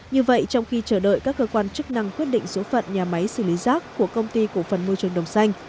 như vậy trong khi chờ đợi các cơ quan chức năng quyết định số phận nhà máy xử lý rác của công ty cổ phần môi trường đồng xanh